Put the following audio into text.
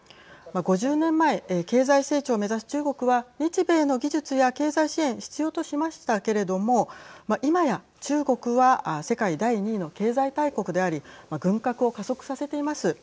５０年前経済成長を目指す中国は日米の技術や経済支援必要としましたけれども今や中国は世界第２位の経済大国であり軍拡を加速させています。